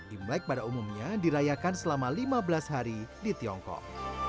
imlek pada umumnya dirayakan selama lima belas hari di tiongkok